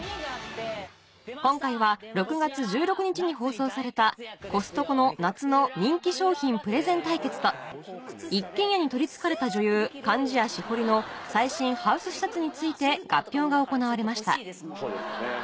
今回は６月１６日に放送された「コストコの夏の人気商品プレゼン対決」と「一軒家に取り憑かれた女優貫地谷しほりの最新ハウス視察」について合評が行われました